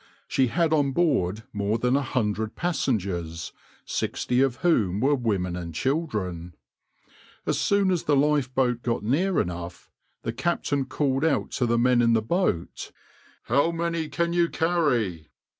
She had on board more than a hundred passengers, sixty of whom were women and children. As soon as the lifeboat got near enough, the captain called out to the men in the boat, "How many can you carry?"